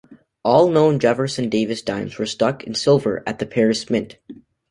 All known Jefferson Davis dimes were struck in silver at the Paris Mint.